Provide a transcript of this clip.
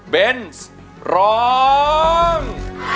เบนส์ร้อง